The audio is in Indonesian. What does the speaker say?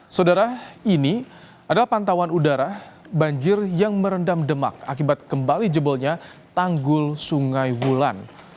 saudara ini adalah pantauan udara banjir yang merendam demak akibat kembali jebolnya tanggul sungai wulan